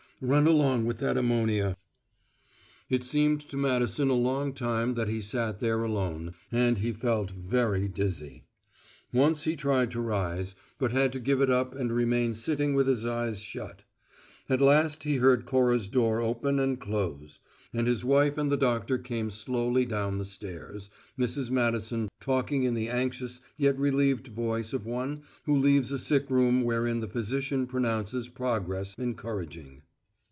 Run along with that ammonia." It seemed to Madison a long time that he sat there alone, and he felt very dizzy. Once he tried to rise, but had to give it up and remain sitting with his eyes shut. At last he heard Cora's door open and close; and his wife and the doctor came slowly down the stairs, Mrs. Madison talking in the anxious yet relieved voice of one who leaves a sick room wherein the physician pronounces progress encouraging.